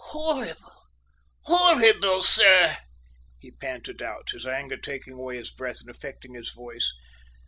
"Horrible, horrible, sir!" he panted out, his anger taking away his breath and affecting his voice.